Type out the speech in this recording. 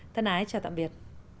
thân ái chào tạm biệt